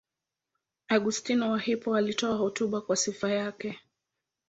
Augustino wa Hippo alitoa hotuba kwa sifa yake.